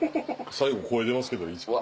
最後声出ますけどいいですか？